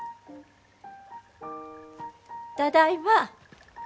ただいま。